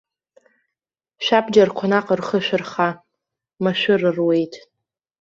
Шәабџьарқәа наҟ рхы шәырха, машәыр руеит.